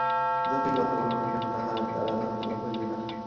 যতই কথা বল না কেন, তাহা দ্বারা ধর্মলাভ হইবে না।